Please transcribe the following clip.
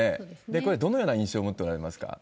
これ、どのような印象を持っておられますか？